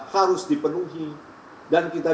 harus dipenuhi dan kita